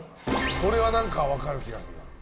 これは何か、分かる気がするな。